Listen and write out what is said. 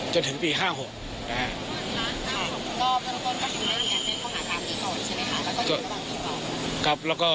จนถึงปีห้าหกนะฮะ